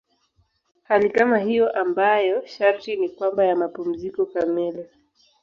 Hali kama hiyo ambayo sharti ni kwamba ya mapumziko kamili.